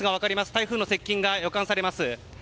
台風の接近が予感されます。